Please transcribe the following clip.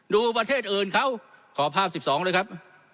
ประเทศอื่นเขาขอภาพ๑๒เลยครับ